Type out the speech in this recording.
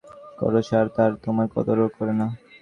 তাদের জন্য তুমি জীবন অতিবাহিত করছ, আর তারা তোমার কদরও করে না।